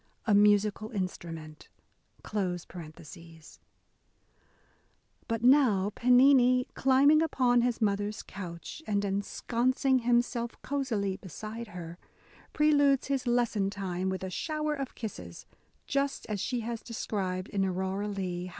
(A Musical Instrument,) But now, Pennini, climbing upon his mother's couch, and ensconcing himself cosily beside her, preludes his lesson time with a shower of kisses, — just as she has described in Aurora Leigh, how A DAY WITH E. B.